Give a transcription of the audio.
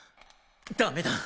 ダメだ！